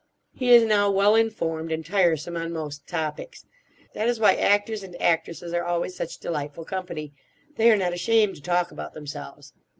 He is now well informed and tiresome on most topics. That is why actors and actresses are always such delightful company: they are not ashamed to talk about themselves.